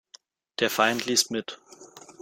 Der Feind liest mit.